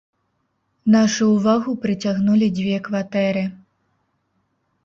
Нашу ўвагу прыцягнулі дзве кватэры.